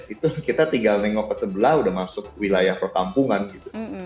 itu kita tinggal nengok ke sebelah udah masuk wilayah perkampungan gitu